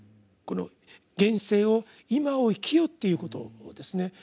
この現世を「今を生きよ」ということですね。